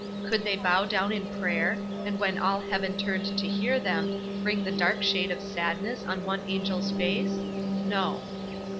Could they bow down in prayer, and when all Heaven turned to hear them, bring the dark shade of sadness on one angel's face? No.